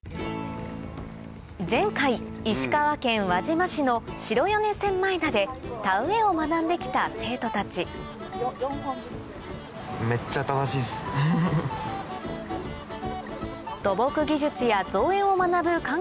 前回石川県輪島市の白米千枚田で田植えを学んできた生徒たち土木技術や造園を学ぶ環境